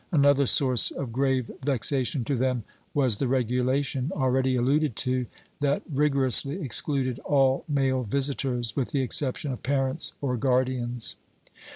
Another source of grave vexation to them was the regulation, already alluded to, that rigorously excluded all male visitors, with the exception of parents or guardians.